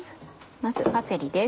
まずパセリです。